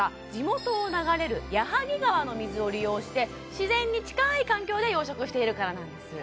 地元を流れる矢作川の水を利用して自然に近い環境で養殖しているからなんです